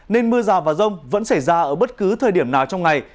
nên mưa rào và rông vẫn xảy ra ở bất cứ thời điểm nào trong ngày